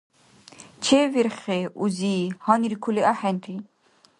Чевверхи, узи, гьаниркули ахӀенри.